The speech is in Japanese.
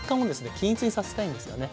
均一にさせたいんですよね。